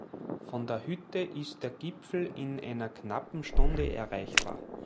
Von der Hütte ist der Gipfel in einer knappen Stunde erreichbar.